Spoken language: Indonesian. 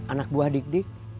anak buah dik dik